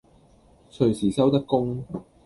隨時收得工